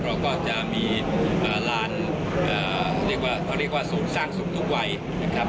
เราก็จะมีร้านเรียกว่าสูงสร้างสูงทุกวัยนะครับ